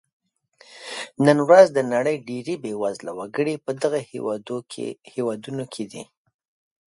نن ورځ د نړۍ ډېری بېوزله وګړي په دغو دوو هېوادونو کې دي.